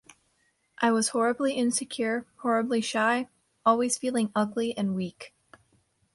I was horribly insecure, horribly shy, always feeling ugly and weak.